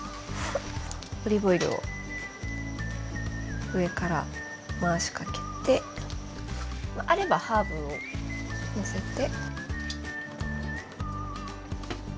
オリーブオイルを上から回しかけてあればハーブをのせて。